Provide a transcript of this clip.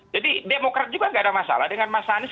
jadi demokrat juga nggak ada masalah dengan mas anies